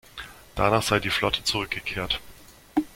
Danach sei die Flotte zurückgekehrt.